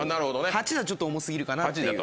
８はちょっと重過ぎるかなっていう。